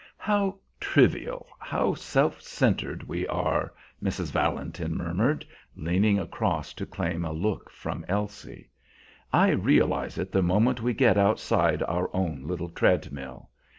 "How trivial, how self centred we are!" Mrs. Valentin murmured, leaning across to claim a look from Elsie. "I realize it the moment we get outside our own little treadmill.